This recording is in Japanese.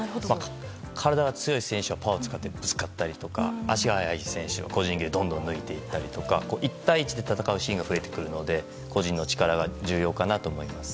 体の強い選手はパワーを使ってぶつかったりとか足が速い選手は個人技でどんどん抜いていったりとか１対１の勝負が増えてくるので個人の力が重要になってきます。